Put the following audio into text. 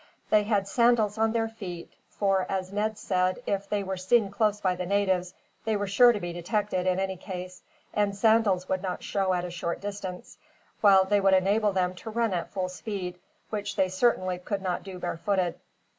They had sandals on their feet; for, as Ned said, if they were seen close by the natives they were sure to be detected in any case, and sandals would not show at a short distance, while they would enable them to run at full speed, which they certainly could not do barefooted.